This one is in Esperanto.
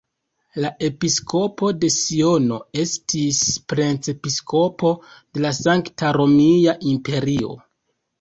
La episkopo de Siono estis princepiskopo de la Sankta Romia Imperio.